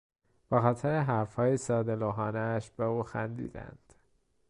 به خاطر حرفهای ساده لوحانهاش به او خندیدند.